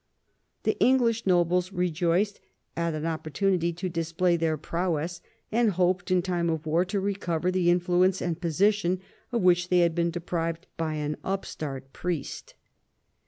The English nobles rejoiced at an opportunity to display their prowess, and hoped in time of war to recover the influence and position of which they had been deprived by an upstart priest.